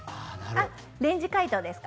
レンジ解凍ですか？